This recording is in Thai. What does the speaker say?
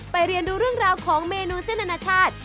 เรียนดูเรื่องราวของเมนูเส้นอนาชาติ